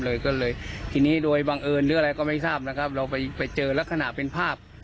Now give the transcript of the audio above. เลยก็เลยทีนี้โดยบังเอิญหรืออะไรก็ไม่ทราบนะครับเราไปเจอลักษณะเป็นภาพ